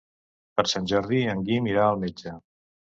Per Sant Jordi en Guim irà al metge.